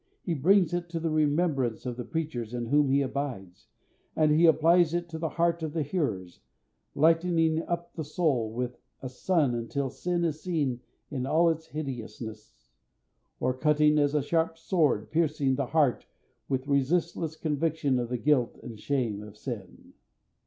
He brings it to the remembrance of the preachers in whom He abides, and He applies it to the heart of the hearers, lightening up the soul as with a sun until sin is seen in all its hideousness, or cutting as a sharp sword, piercing the heart with resistless conviction of the guilt and shame of sin.